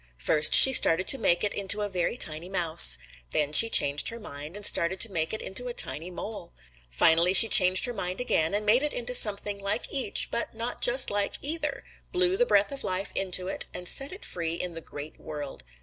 First she started to make it into a very tiny mouse. Then she changed her mind and started to make it into a tiny mole. Finally she changed her mind again and made it into something like each but not just like either, blew the breath of life into it, and set it free in the great world.